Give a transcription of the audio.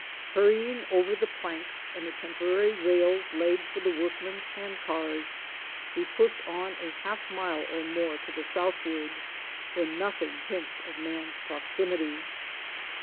Hurrying over the planks and the temporary rails laid for the workman's hand cars, we push on a half mile or more to the southward, where nothing hints of man's proximity.